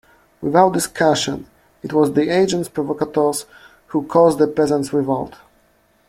Without discussion, it was the agents provocateurs who caused the Peasant Revolt.